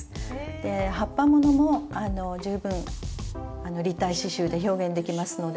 で葉っぱものも十分立体刺しゅうで表現できますので。